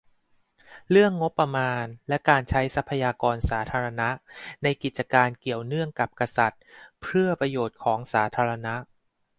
- เรื่องงบประมาณและการใช้ทรัพยากรสาธารณะ ในกิจการเกี่ยวเนื่องกับกษัตริย์ เพื่อประโยชน์ของสาธารณะ